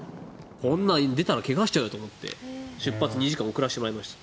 こんなの出たら怪我しちゃうよと思って出発を２時間遅らせてもらいました。